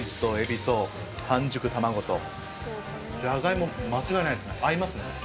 ジャガイモ間違いないですね、合いますね。